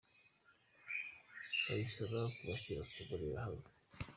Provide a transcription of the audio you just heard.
bayisaba kubashyira ku mbonerahamwe.